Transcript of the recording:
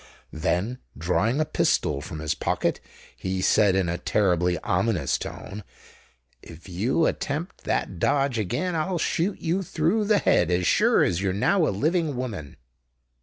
Then, drawing a pistol from his pocket, he said in a terribly ominous tone, "If you attempt that dodge again, I'll shoot you through the head as sure as you're now a living woman."